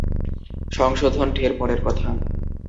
সংশোধন ঢের পরের কথা।